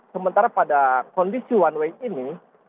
sementara pada kondisi one way ini